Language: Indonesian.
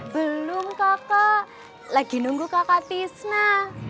belum kakak lagi nunggu kakak tisna